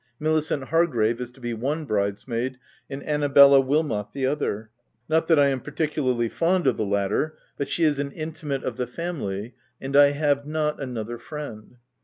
Milicent Hargrave is to be one bridesmaid, and Annabella Wilmot the other — not that I am particularly fond of the latter, but she is an intimate of the family, and I have not another friend.